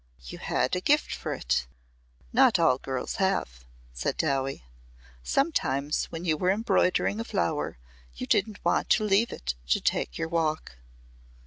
"You had a gift for it. Not all girls have," said Dowie. "Sometimes when you were embroidering a flower you didn't want to leave it to take your walk."